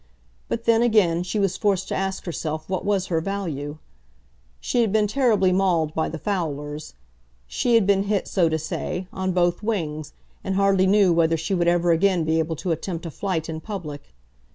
But then, again, she was forced to ask herself what was her value. She had been terribly mauled by the fowlers. She had been hit, so to say, on both wings, and hardly knew whether she would ever again be able to attempt a flight in public.